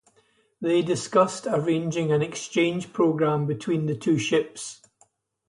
They discussed arranging an exchange program between the two ships.